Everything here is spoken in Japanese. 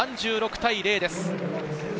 ３６対０です。